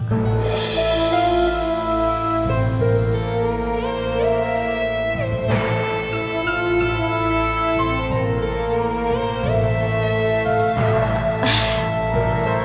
apa yang aku rasakan